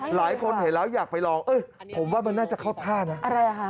หลายคนเห็นแล้วอยากไปลองเอ้ยผมว่ามันน่าจะเข้าท่านะอะไรอ่ะฮะ